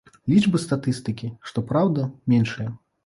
Лічбы статыстыкі, што праўда, меншыя.